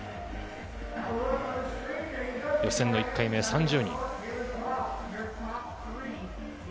予選の１回目、３０人。